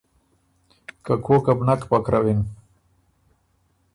که کوکه بو نک پکرَوِن۔